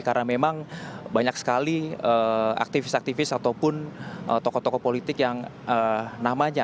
karena memang banyak sekali aktivis aktivis ataupun tokoh tokoh politik yang namanya